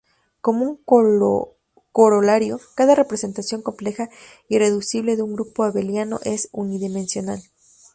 Como un corolario, cada representación compleja irreducible de un grupo Abeliano es unidimensional.